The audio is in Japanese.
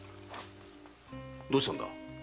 どうしたんだ？